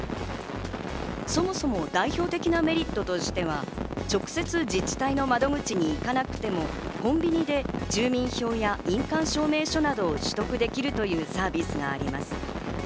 そもそも代表的なメリットとしては直接、自治体の窓口に行かなくても、コンビニで住民票や印鑑証明書などを取得できるというサービスがあります。